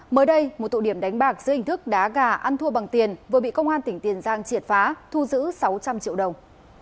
mới đây một tụ điểm đánh bạc dưới hình thức đá gà ăn thua bằng tiền vừa bị công an tỉnh tiền giang triệt phá thu giữ sáu trăm linh triệu đồng